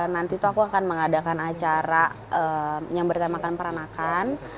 nanti itu aku akan mengadakan acara yang bertemakan peranakan